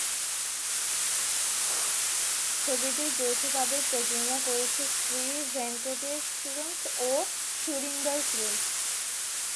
ছবিটি যৌথভাবে প্রযোজনা করেছে শ্রী ভেঙ্কটেশ ফিল্মস ও সুরিন্দর ফিল্মস।